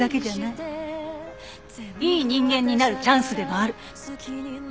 いい人間になるチャンスでもある。